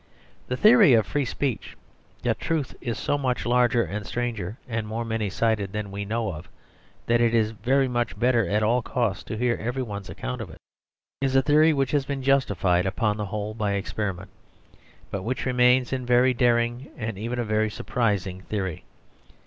The theory of free speech, that truth is so much larger and stranger and more many sided than we know of, that it is very much better at all costs to hear every one's account of it, is a theory which has been justified upon the whole by experiment, but which remains a very daring and even a very surprising theory.